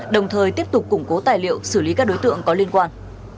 đồng thời tiếp tục củng cố tài liệu xử lý các đối tượng có liên quan